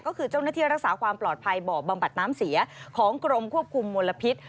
ก็คือเจ้าหน้าที่รักษาความปลอดภัยบ่อบำบัดน้ำเสียของกรมควบคุมมลพิษ